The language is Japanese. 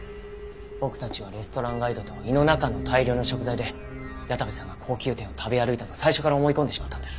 僕たちはレストランガイドと胃の中の大量の食材で矢田部さんが高級店を食べ歩いたと最初から思い込んでしまったんです。